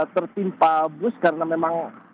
tertimpa bus karena memang